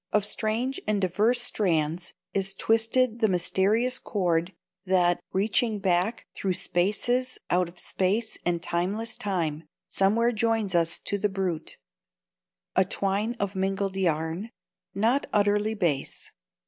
Of strange and divers strands is twisted the mysterious cord that, reaching back "through spaces out of space and timeless time," somewhere joins us to the Brute; a twine of mingled yarn, not utterly base.